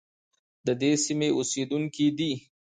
د دې سیمې اوسیدونکي دي.